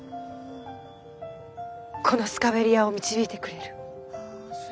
このスカベリアを導いてくれる。